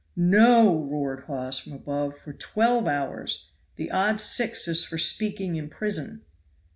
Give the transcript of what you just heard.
"No!" roared Hawes from above, "for twelve hours; the odd six is for speaking in prison."